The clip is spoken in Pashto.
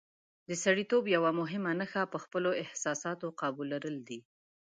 د سړیتوب یوه مهمه نښه په خپلو احساساتو قابو لرل دي.